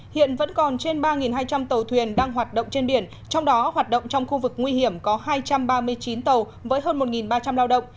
hiện vẫn còn trên ba hai trăm linh tàu thuyền đang hoạt động trên biển trong đó hoạt động trong khu vực nguy hiểm có hai trăm ba mươi chín tàu với hơn một ba trăm linh lao động